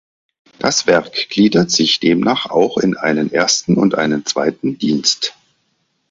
Das Werk gliedert sich demnach auch in einen ersten und einen zweiten Dienst.